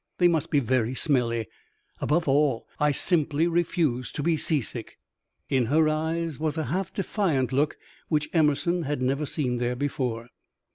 They must be very smelly. Above all, I simply refuse to be seasick." In her eyes was a half defiant look which Emerson had never seen there before.